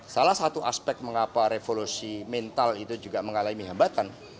salah satu aspek mengapa revolusi mental itu juga mengalami hambatan